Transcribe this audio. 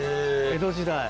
江戸時代。